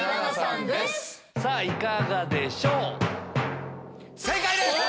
いかがでしょう？